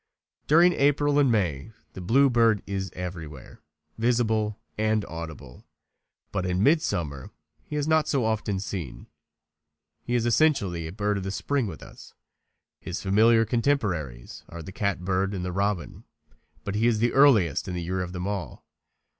During April and May the bluebird is everywhere visible and audible, but in midsummer he is not so often seen. He is essentially a bird of the spring with us. His familiar contemporaries are the catbird and the robin, but he is the earliest in the year of them all.